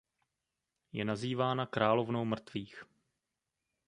Je nazývána "královnou mrtvých".